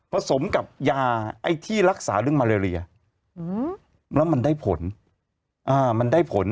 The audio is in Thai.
ผสมกับยาที่รักษารึ่งมาเลเรียแล้วมันได้ผล